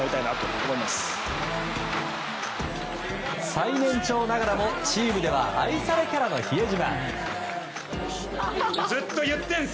最年長ながらもチームでは愛されキャラの比江島。